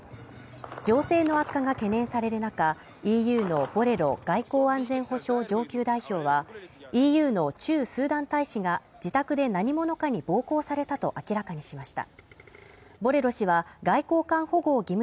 情勢の悪化が懸念される中、ＥＵのボレル外交安全保障上級代表はＥＵの駐スーダン大使が自宅で何者かに暴行されたと明らかにしました。